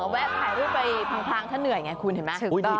แวะถ่ายรูปไปพรางถ้าเหนื่อยไงคุณเห็นมั้ย